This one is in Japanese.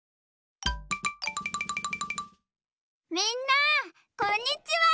みんなこんにちは！